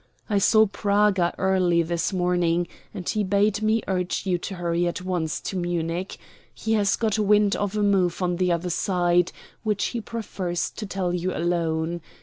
"I saw Praga early this morning, and he bade me urge you to hurry at once to Munich. He has got wind of a move on the other side, which he prefers to tell to you alone.